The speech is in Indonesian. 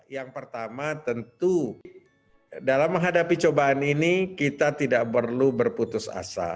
yang pertama tentu dalam menghadapi cobaan ini kita tidak perlu berputus asa